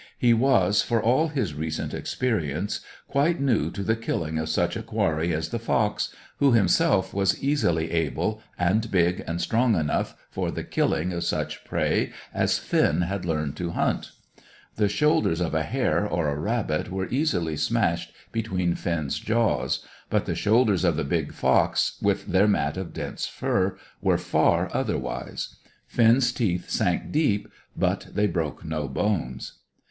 He was, for all his recent experience, quite new to the killing of such a quarry as the fox, who himself was easily able, and big and strong enough for the killing of such prey as Finn had learned to hunt. The shoulders of a hare or a rabbit were easily smashed between Finn's jaws; but the shoulders of the big fox, with their mat of dense fur, were far otherwise. Finn's teeth sank deep, but they broke no bones.